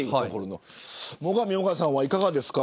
最上もがさんはいかがですか